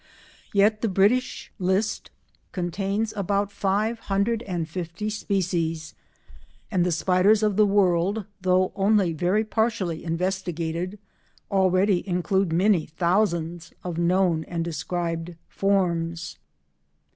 Yet the British List contains about five hundred and fifty species, and the spiders of the world, though only very partially investigated, already include many thousands of known and described forms.